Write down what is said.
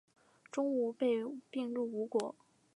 钟吾被并入吴国。